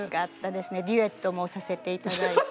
デュエットもさせていただいて。